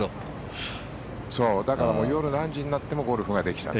だから、夜何時になってもゴルフができた。